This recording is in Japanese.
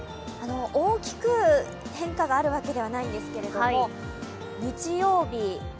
大きく変化があるわけではないんですけど日曜日、